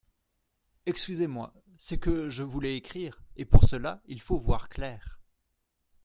Excusez-moi ; c'est que je voulais écrire, et pour cela il faut voir clair.